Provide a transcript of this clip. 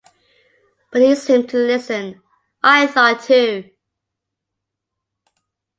But he seemed to listen, I thought, too.